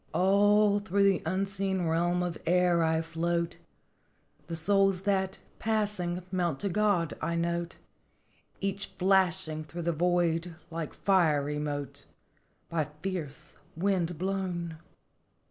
" All through the unseen realm of air I float; The souls that, passing, mount to God, I note ; Each flashing through the void like fiery mote By fierce wind blown.